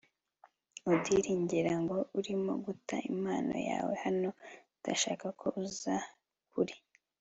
odili, ngira ngo urimo guta impano yawe hano. ndashaka ko uza kuri